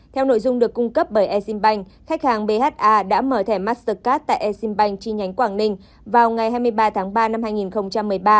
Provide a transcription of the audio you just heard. theo nội dung được cung cấp bởi eximbank khách hàng bha đã mở thẻ mastercard tại eximbank chi nhánh quảng ninh vào ngày hai mươi ba tháng ba năm hai nghìn một mươi ba